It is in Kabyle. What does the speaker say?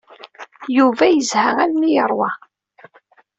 Yuba yezha armi ay yeṛwa.